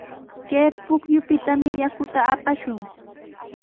Kay pukyupitami yakuta apashun.